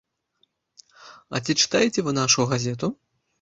А ці чытаеце вы нашу газету?